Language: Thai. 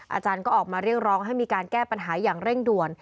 อาจารย์ก็ออกมาเรียกร้องให้มีการแก้ปัญหาอย่างเร่งด่วน